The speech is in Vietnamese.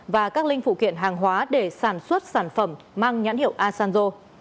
và các linh phụ kiện hàng hóa để sản xuất sản phẩm mang nhãn hiệu asanzo